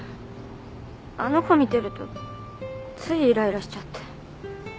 あの子見てるとついイライラしちゃって。